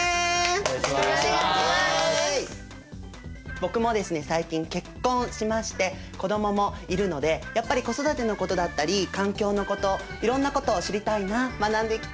僕もですね最近結婚しまして子どももいるのでやっぱり子育てのことだったり環境のこといろんなことを知りたいな学んでいきたいなと思っておりますので